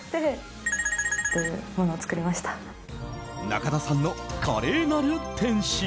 中田さんの華麗なる転身。